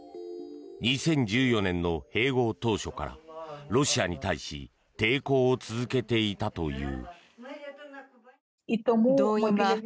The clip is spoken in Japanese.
２０１４年の併合当初からロシアに対し抵抗を続けていたという。